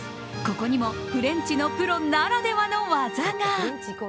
ここにもフレンチのプロならではの技が。